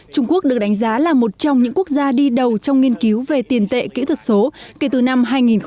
trung quốc được đánh giá là một trong những quốc gia đi đầu trong nghiên cứu về tiền tệ kỹ thuật số kể từ năm hai nghìn một mươi